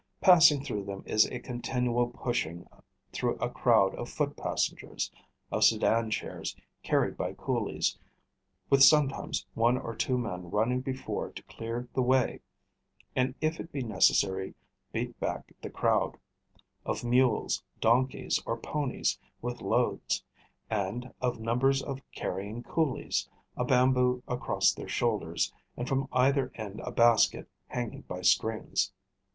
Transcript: Passing through them is a continual pushing through a crowd of foot passengers; of sedan chairs, carried by coolies, with sometimes one or two men running before to clear the way, and if it be necessary beat back the crowd; of mules, donkeys, or ponies, with loads; and of numbers of carrying coolies, a bamboo across their shoulders, and from either end a basket hanging by strings.